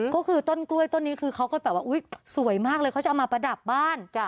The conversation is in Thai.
ก็คือต้นกล้วยต้นนี้คือเขาก็แบบว่าอุ๊ยสวยมากเลยเขาจะเอามาประดับบ้าน